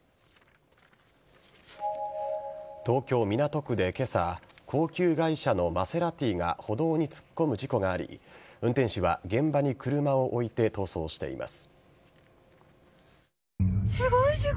東京・港区で今朝高級外車のマセラティが歩道に突っ込む事故があり運転手は現場に車を置いて逃走しています。